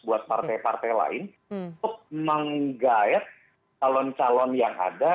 buat partai partai lain untuk menggayat calon calon yang ada